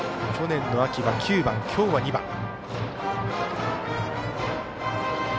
去年の秋は９番今日は２番。